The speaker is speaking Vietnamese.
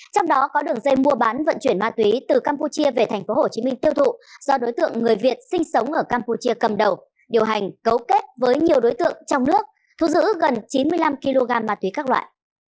trong đó có đường dây mua bán vận chuyển ma túy từ campuchia về tp hcm tiêu thụ do đối tượng người việt sinh sống ở campuchia cầm đầu điều hành cấu kết với nhiều đối tượng trong nước thu giữ gần chín mươi năm kg ma túy các loại